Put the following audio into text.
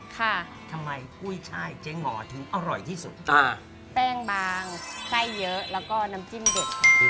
ค่ะทำไมกุ้ยชายเจ๊หมอถึงอร่อยที่สุดอ่าแป้งบางไส้เยอะแล้วก็น้ำจิ้มเด็ดค่ะ